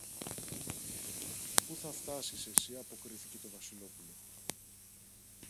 που θα φτιάσεις εσύ, αποκρίθηκε το Βασιλόπουλο.